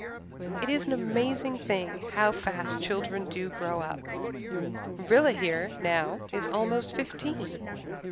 "It is an amazing thing how fast children do grow up. Rilla here, now, is almost fifteen."